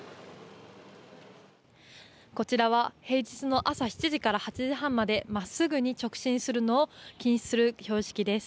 こちらは平日の朝７時から８時半までまっすぐに直進するのを禁止する標識です。